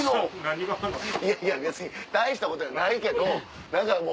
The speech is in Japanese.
いやいや別に大したことやないけど何かもう。